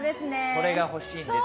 それが欲しいんです。